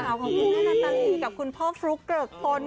ลูกสาวของคุณนาตาลีกับคุณพ่อฟลุ๊กเกิร์กคน